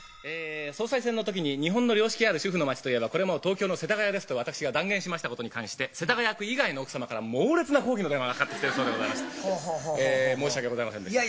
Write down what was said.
総裁選のときに日本の良識ある主婦の街といえばこれもう東京の世田谷ですと、私は断言しましたことに関して、世田谷区以外の奥様方から猛烈な抗議の電話がかかってきているそ別に謝ることないやね。